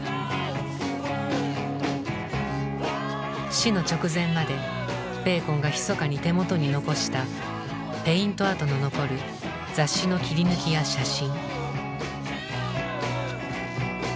死の直前までベーコンがひそかに手元に残したペイント跡の残る雑誌の切り抜きや写真。